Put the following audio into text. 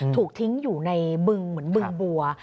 ถูกทิ้งอยู่ในบึงเหมือนบึงบัว